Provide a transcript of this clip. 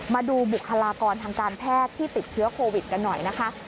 มาดูบุคลากรทางการแพทย์ที่ติดเชื้อโควิดกันหน่อยนะคะ